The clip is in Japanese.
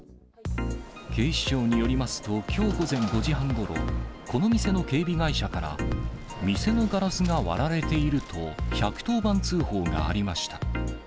警視庁によりますと、きょう午前５時半ごろ、この店の警備会社から、店のガラスが割られていると１１０番通報がありました。